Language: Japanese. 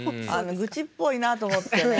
愚痴っぽいなと思ってね。